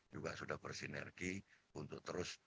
juga sudah bersinergi untuk terus